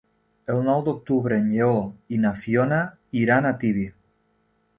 El nou d'octubre en Lleó i na Fiona iran a Tibi.